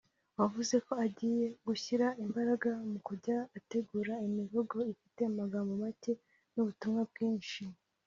wavuze ko agiye gushyira imbaraga mu kujya ategura imivugo ifite amagambo make n’ubutumwa bwinshi